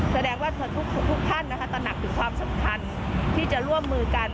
แสดงว่าทุกท่านนะคะตระหนักถึงความสำคัญที่จะร่วมมือกัน